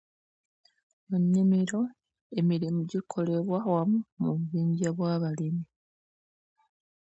Mu nnimiro, emirimu gikolebwa wamu mu bubingya bw’abalimi.